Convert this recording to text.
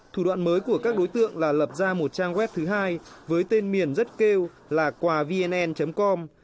thủ đoạn mới của các đối tượng là lập ra một trang web thứ hai với tên miền rất kêu là quà vn com